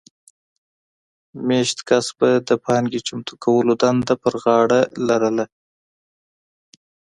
مېشت کس به د پانګې چمتو کولو دنده پر غاړه لرله